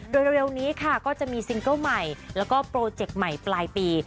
โดยเร็วนี้ค่ะก็จะมีซิงเกิ้ลใหม่แล้วก็โปรเจกต์ใหม่ปลายปี